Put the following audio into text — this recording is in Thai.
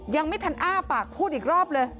ยังไม่ทันอ้าปากพูดอีกรอบเลย